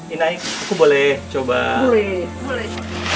ini aku boleh coba boleh